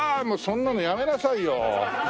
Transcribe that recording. もうそんなのやめなさいよ。